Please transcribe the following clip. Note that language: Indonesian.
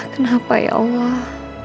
kenapa ya allah